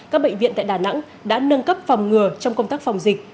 các bệnh viện tại đà nẵng đã nâng cấp phòng ngừa trong công tác phòng dịch